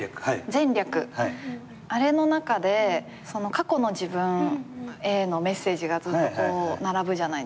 『前略』あれの中で過去の自分へのメッセージがずっと並ぶじゃないですか。